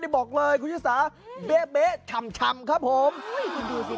บ๊ายบายแบบนี้